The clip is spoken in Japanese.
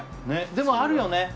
ねっでもあるよね